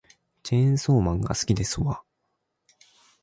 チェーンソーマンが好きですわ